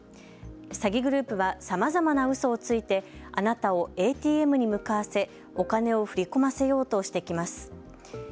詐欺グループはさまざまなうそをついてあなたをＡＴＭに向かわせお金を振り込ませようとしてきます。